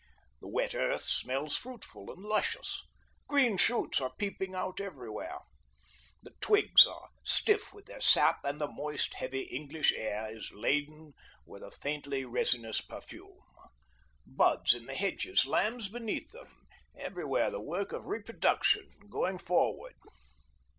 The wet earth smells fruitful and luscious. Green shoots are peeping out everywhere. The twigs are stiff with their sap; and the moist, heavy English air is laden with a faintly resinous perfume. Buds in the hedges, lambs beneath them everywhere the work of reproduction going forward!